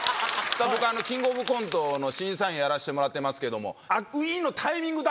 僕「キングオブコント」の審査員やらせてもらってますけども。